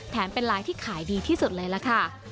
เป็นลายที่ขายดีที่สุดเลยล่ะค่ะ